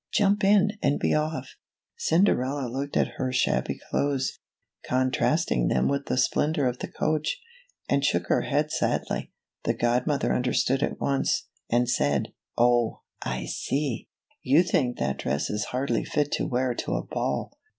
Jump in, and be off." Cinderella looked at her shabby clothes, contrasting them with the splendor of the coach, and shook her head sadly. The godmother understood at once, and said " Oh, I see ! You think that dress is hardly fit to wear to a ball.